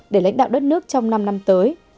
để lãnh đạo đất nước trong năm năm tới